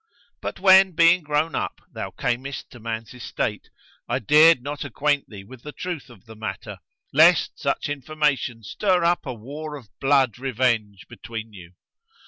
But, when being grown up thou camest to man's estate, I dared not acquaint thee with the truth of the matter, lest such information stir up a war of blood revenge between you.